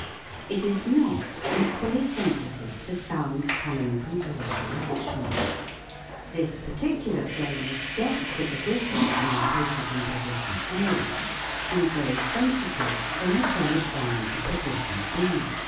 It is not equally sensitive to sounds coming from all directions ; this particular flame is deaf to the whistle when I place it in position A (Fig. 15), and very sensitive when I turn it round to position B.